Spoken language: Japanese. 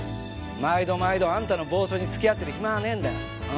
毎度毎度あんたの暴走に付き合ってる暇はねえんだよ。